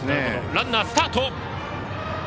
ランナー、スタート。